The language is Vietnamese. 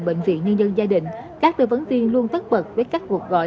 bệnh viện nhân dân gia định các tư vấn tiên luôn tất bật với các cuộc gọi